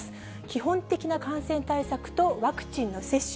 基本的な感染対策とワクチンの接種。